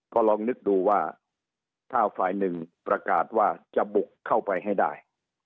ก็ลองนึกดูว่าถ้าฝ่ายหนึ่งประกาศว่าจะบุกเข้าไปให้ได้